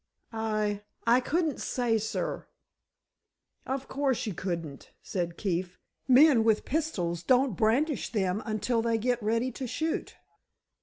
"I—I couldn't say, sir." "Of course you couldn't," said Keefe. "Men with pistols don't brandish them until they get ready to shoot."